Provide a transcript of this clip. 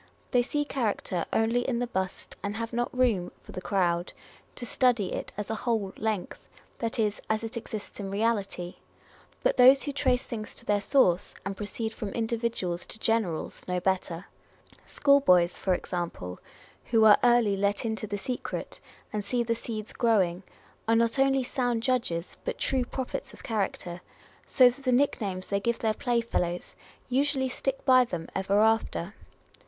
They see character only in the bust, and have not room (for the crowd) to study it as a whole length, that is, as it exists in reality. But those who trace things to their source, and proceed from individuals to generals, know better. School boys, for example, who are early let into the secret, and see the seeds growing, are not only sound judges, but true prophets of character ; so that the nick names they give their playfellows usually stick by them ever after.